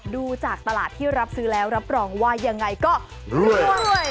ดูจากตลาดที่รับซื้อแล้วรับรองว่ายังไงก็รวย